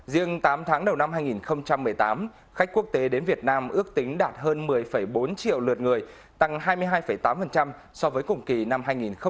riêng tám tháng đầu năm hai nghìn một mươi tám khách quốc tế đến việt nam ước tính đạt hơn một mươi bốn triệu lượt người tăng hai mươi hai tám so với cùng kỳ năm hai nghìn một mươi bảy